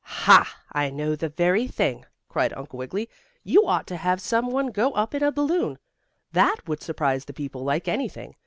"Ha! I know the very thing!" cried Uncle Wiggily. "You ought to have some one go up in a balloon. That would surprise the people like anything.